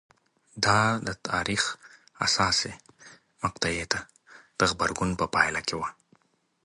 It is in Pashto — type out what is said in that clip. دا د تاریخ حساسې مقطعې ته د غبرګون په پایله کې وه